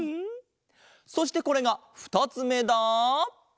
そしてこれがふたつめだ！